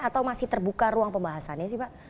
atau masih terbuka ruang pembahasannya sih pak